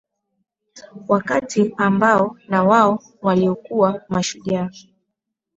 Wakati ambao na wao walikuwa mashujaa